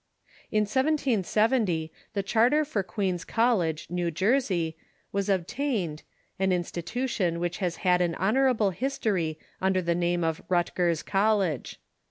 In 1770 the charter for Queen's College, New Jersey, was obtained, an institution which has had an honorable history under the name of Rutgers College.